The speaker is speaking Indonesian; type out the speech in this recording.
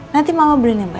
nanti mama beli nih banyak